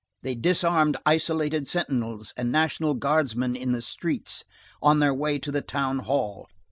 They disarmed isolated sentinels and National Guardsmen in the streets on their way to the Townhall.